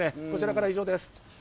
こちらからは以上です。